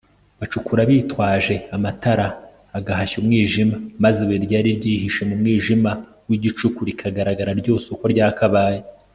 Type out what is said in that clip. bacukura bitwaje amatara agahashya umwijima, maze ibuye ryari ryihishe mu mwijima w'igicuku, rikagaragara ryose uko ryakabaye